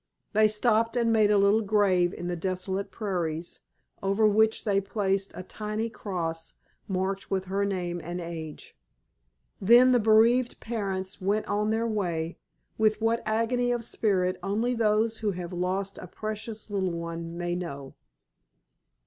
They stopped and made a little grave in the desolate prairies, over which they placed a tiny cross marked with her name and age. Then the bereaved parents went on their way, with what agony of spirit only those who have lost a precious little one may know.